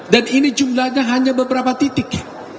dan ini jumlahnya hanya beberapa titik